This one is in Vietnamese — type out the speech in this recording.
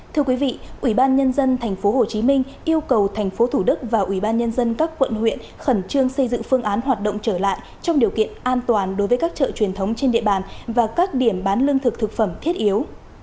thưa quý vị ubnd tp hcm yêu cầu tp thủ đức và ủy ban nhân dân các quận huyện khẩn trương xây dựng phương án hoạt động trở lại trong điều kiện an toàn đối với các chợ truyền thống trên địa bàn và các điểm bán lương thực thực phẩm thiết yếu